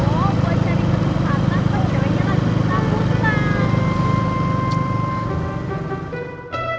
kalau ibu cuma trik cowok gue cari ketemu kakak